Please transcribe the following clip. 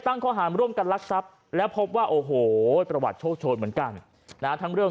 ตั้งข้อหามร่วมกันลักทรัพย์แล้วพบว่าโอ้โหประวัติ